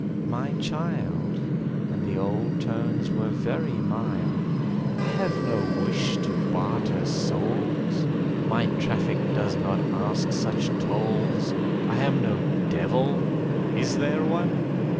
"My child," And the old tones were very mild, "I have no wish to barter souls; My traffic does not ask such tolls. I am no devil; is there one?